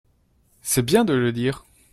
C’est bien de le dire